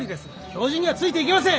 教授にはついていけません！